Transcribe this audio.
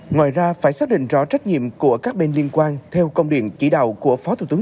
ngoài ra phải xác định rõ trách nhiệm của các bên liên quan theo công điện chỉ đạo của phó thủ tướng